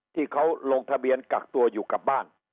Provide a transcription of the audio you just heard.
ที่เขาลงทะเบียนกักตัวอยู่กับบ้าน